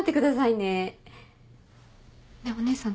ねえお姉さん